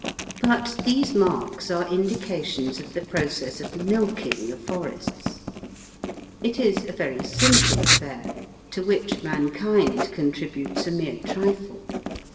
But these marks are indications of the process of milking the forests. It is a very simple affair, to which mankind contributes a mere trifle.